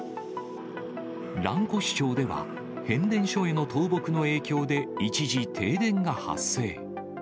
蘭越町では、変電所への倒木の影響で一時停電が発生。